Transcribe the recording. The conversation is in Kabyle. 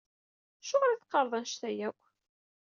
Acuɣer i teqqareḍ anect-a akk?